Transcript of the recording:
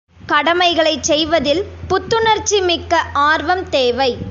கடமைகளைச் செய்வதில் புத்துணர்ச்சி மிக்க ஆர்வம் தேவை.